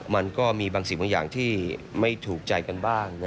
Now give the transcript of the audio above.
มันก็มีบางสิ่งบางอย่างที่ไม่ถูกใจกันบ้าง